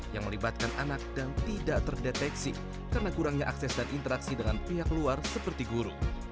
yang melibatkan anak dan tidak terdeteksi karena kurangnya akses dan interaksi dengan pihak luar seperti guru